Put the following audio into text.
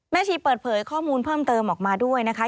ชีเปิดเผยข้อมูลเพิ่มเติมออกมาด้วยนะคะ